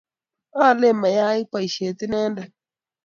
aaalen mayae boishet inendet